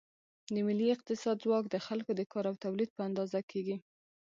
د ملي اقتصاد ځواک د خلکو د کار او تولید په اندازه کېږي.